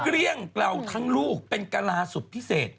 เกลี้ยงเราทั้งลูกเป็นกะลาสุดพิเศษ